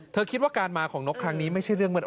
คิดว่าการมาของนกครั้งนี้ไม่ใช่เรื่องมืด